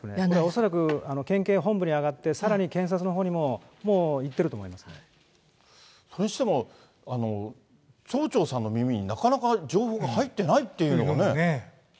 恐らく県警本部に上がって、さらに検察のほうにも、それにしても、町長さんの耳になかなか情報が入ってないっていうのがね。